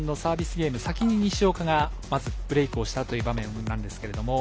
ゲーム先に西岡がまずブレイクをしたという場面なんですけれども。